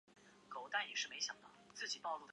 浙台经贸合作区纳入省级开发区管理序列。